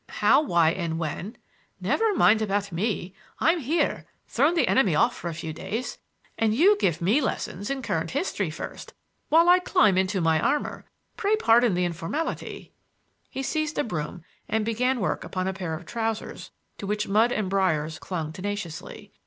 "How, why and when—?" "Never mind about me. I'm here—thrown the enemy off for a few days; and you give me lessons in current history first, while I climb into my armor. Pray pardon the informality—" He seized a broom and began work upon a pair of trousers to which mud and briers clung tenaciously.